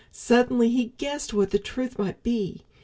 Suddenly he guessed what the truth might be.